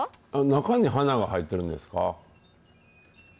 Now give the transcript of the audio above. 中に花が入ってるんですか？